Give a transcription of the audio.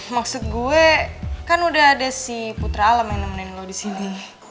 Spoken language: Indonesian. maksud gue kan udah ada si putra alam yang nemenin lo di sini